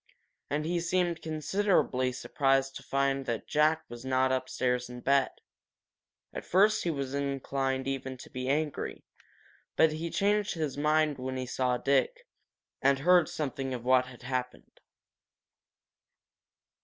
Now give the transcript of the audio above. And he seemed considerably surprised to find that Jack was not upstairs in bed. At first he was inclined even to be angry, but he changed his mind when he saw Dick, and heard something of what had happened.